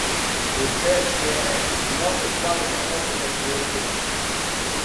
Уз те цијене, многе ствари не можете приуштити.